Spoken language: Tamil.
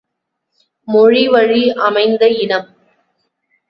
மொழிவழி அமைந்த இனம்!